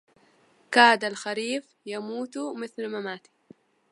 كاد الخريف يموت مثل مماتي